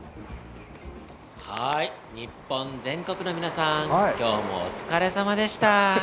日本全国の皆さん、きょうもお疲れさまでした。